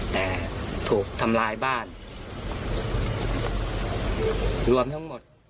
แต่ถูกทำร้ายบ้านรวมทั้งหมด